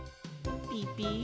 ピピ？